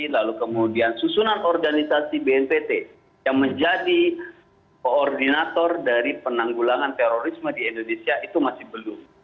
lalu kemudian susunan organisasi bnpt yang menjadi koordinator dari penanggulangan terorisme di indonesia itu masih belum